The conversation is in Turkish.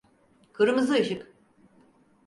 Kırmızı ışık.